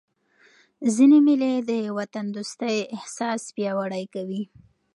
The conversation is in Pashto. ځيني مېلې د وطن دوستۍ احساس پیاوړی کوي.